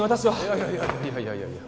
いやいやいやいやいや。